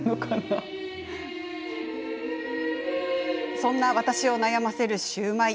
そんな、私を悩ませるシューマイ。